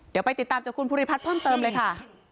เดี๋ยวไปติดตามจากคุณภูริพัฒน์เพิ่มเติมเลยค่ะ